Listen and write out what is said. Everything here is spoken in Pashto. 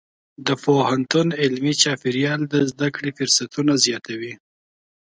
د پوهنتون علمي چاپېریال د زده کړې فرصتونه زیاتوي.